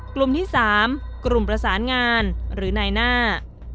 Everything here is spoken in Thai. กลุ่มที่๓กลุ่มประสานงานหรือนายหน้า